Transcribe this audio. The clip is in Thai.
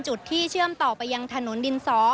จุดที่เชื่อมต่อไปยังถนนดินสอ